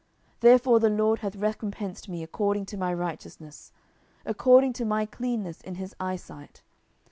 10:022:025 Therefore the LORD hath recompensed me according to my righteousness; according to my cleanness in his eye sight.